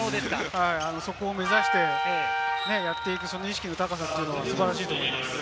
そこを目指してやっていく意識の高さは素晴らしいと思います。